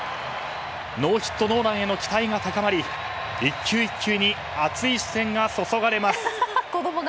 ノーヒットノーランへの期待が高まり１球１球に熱い視線が注がれます。